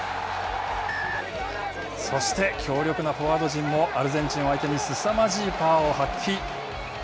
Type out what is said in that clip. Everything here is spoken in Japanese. そして強力なフォワード陣もアルゼンチンを相手にすさまじいパワーを発揮。